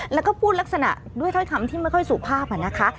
แล้วก็พูดลักษณะด้วยถ้อยคำที่ไม่ค่อยสุภาพนะคะ